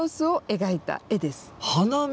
花見。